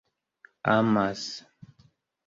amas